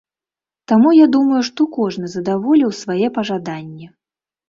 Таму, я думаю, што кожны задаволіў свае пажаданні.